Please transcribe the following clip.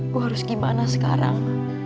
gue harus gimana sekarang